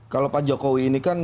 kalau pak jokowi ini kan